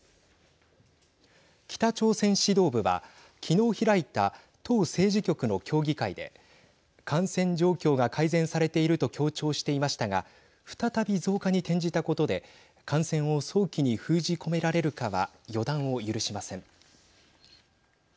北朝鮮指導部はきのう開いた党政治局の協議会で感染状況が改善されていると強調していましたが再び増加に転じたことで感染を早期に封じ込められるかは予断を許しません。